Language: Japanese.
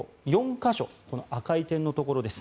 か所赤い点のところです。